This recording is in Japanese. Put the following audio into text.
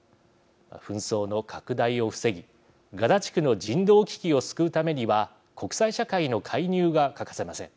紛争の拡大を防ぎガザ地区の人道危機を救うためには国際社会の介入が欠かせません。